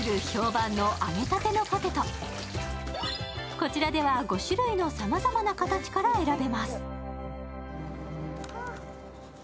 こちらでは５種類のさまざまな形から選べます。